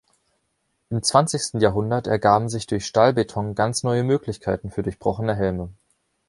Im zwanzigsten Jahrhundert ergaben sich durch Stahlbeton ganz neue Möglichkeiten für durchbrochene Helme.